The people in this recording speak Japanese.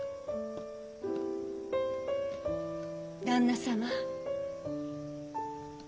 旦那様。